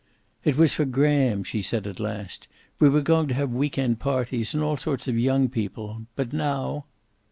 "It was for Graham," she said at last. "We were going to have week end parties, and all sorts of young people. But now!"